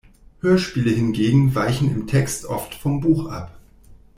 Hörspiele hingegen weichen im Text oft vom Buch ab.